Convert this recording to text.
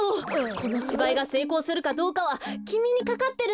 このしばいがせいこうするかどうかはきみにかかってるんですから！